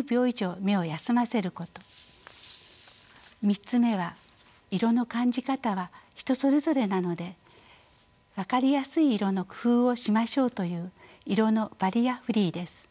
３つ目は色の感じ方は人それぞれなので分かりやすい色の工夫をしましょうという色のバリアフリーです。